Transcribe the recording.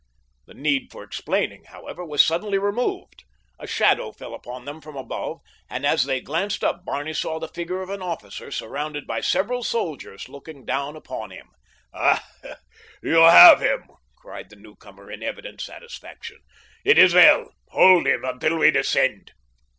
The need for explaining, however, was suddenly removed. A shadow fell upon them from above, and as they glanced up Barney saw the figure of an officer surrounded by several soldiers looking down upon him. "Ah, you have him!" cried the newcomer in evident satisfaction. "It is well. Hold him until we descend."